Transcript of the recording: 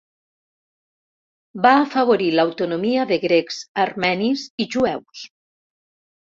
Va afavorir l'autonomia de grecs, armenis i jueus.